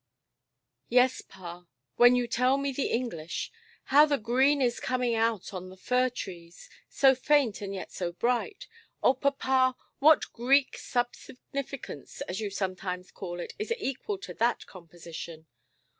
"Yes, pa, when you tell me the English. How the green is coming out on the fir–trees! So faint and yet so bright. Oh, papa, what Greek sub–significance, as you sometimes call it, is equal to that composition"?